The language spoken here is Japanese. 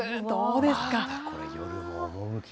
どうですか。